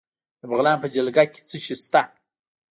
د بغلان په جلګه کې څه شی شته؟